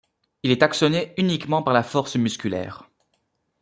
Il est actionné uniquement par la force musculaire.